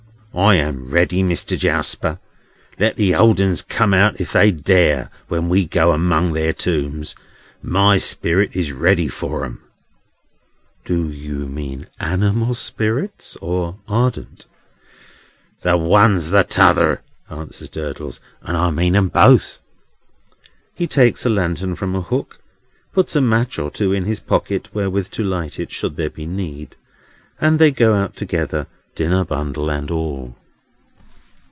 "I am ready, Mister Jarsper. Let the old 'uns come out if they dare, when we go among their tombs. My spirit is ready for 'em." "Do you mean animal spirits, or ardent?" "The one's the t'other," answers Durdles, "and I mean 'em both." He takes a lantern from a hook, puts a match or two in his pocket wherewith to light it, should there be need; and they go out together, dinner bundle and all.